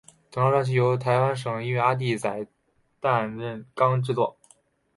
整张专辑均由台湾音乐人阿弟仔担纲制作。